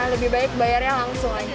lebih baik bayarnya langsung aja